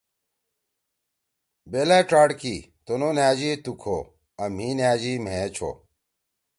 بیلأ ڇاڑ کی: ”تنُو نھأژی تُو کھو آں مھی نھأژی مھیئے چھو۔“